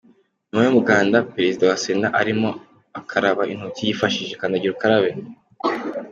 Nyuma y'umuganda, perezida wa sena arimo akaraba intoki yifashishije 'kandagira ukarabe'.